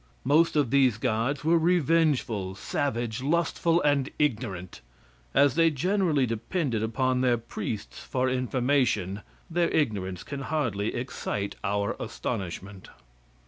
Most of these gods were revengeful, savage, lustful, and ignorant; as they generally depended upon their priests for information, their ignorance can hardly excite our astonishment.